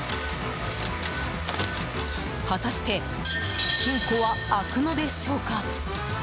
果たして金庫は開くのでしょうか？